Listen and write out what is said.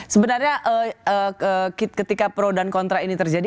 sebenarnya ketika pro dan kontra ini terjadi